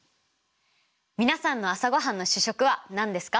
皆さんの朝ごはんの主食は何ですか？